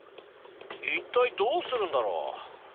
「一体どうするんだろう？」